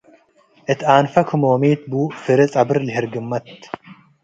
እት ኣንፈ ክሞሚት ቡ ፍሬ ጸብር ለህርግመት